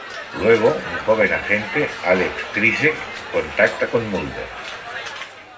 Luego un joven agente, Alex Krycek, contacta con Mulder.